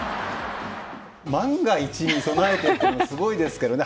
万が一に備えてっていうのはすごいですけどね。